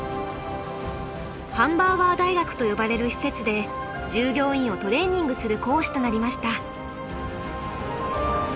ハンバーガー大学と呼ばれる施設で従業員をトレーニングする講師となりました。